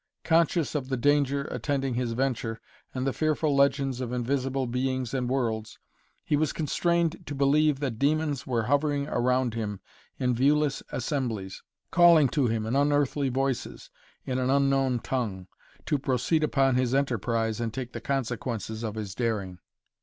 Conscious of the danger attending his venture, and the fearful legends of invisible beings and worlds, he was constrained to believe that demons were hovering around him in viewless assemblies, calling to him in unearthly voices, in an unknown tongue, to proceed upon his enterprise and take the consequences of his daring.